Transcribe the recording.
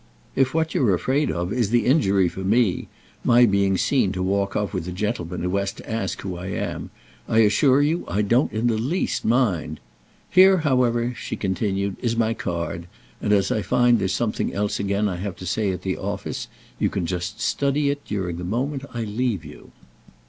If what you're afraid of is the injury for me—my being seen to walk off with a gentleman who has to ask who I am—I assure you I don't in the least mind. Here, however," she continued, "is my card, and as I find there's something else again I have to say at the office, you can just study it during the moment I leave you."